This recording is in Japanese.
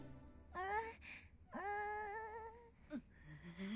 うん。